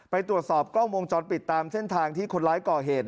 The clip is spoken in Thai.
ไปตรวจสอบกล้องวงจรปิดตามเส้นทางที่คนร้ายก่อเหตุ